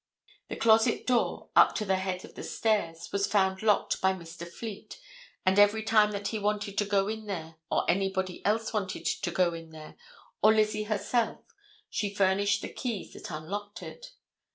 The closet door, up to the head of the stairs, was found locked by Mr. Fleet, and every time that he wanted to go in there, or anybody else wanted to go in there, or Lizzie herself, she furnished the keys that unlocked it.